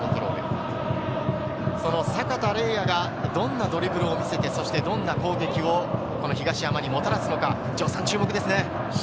その阪田澪哉がどんなドリブルを見せて、どんな攻撃を東山にもたらすのか注目ですね。